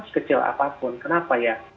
sekecil apapun kenapa ya